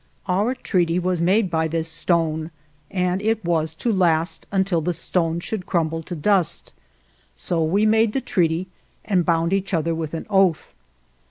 Our treaty was made by this stone, and it was to last until the stone should crumble to dust; so we made the treaty, and bound each other with an oath.